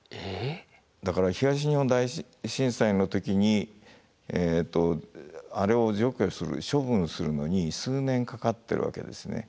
だから東日本大震災の時にあれを除去する処分するのに数年かかってるわけですね。